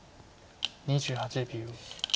２８秒。